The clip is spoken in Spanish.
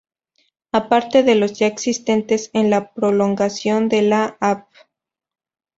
Aparte de los ya existentes en la prolongación de la Av.